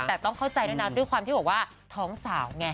แต่ต้องเข้าใจด้วยนะด้วยความที่บอกว่าท้องสาวไง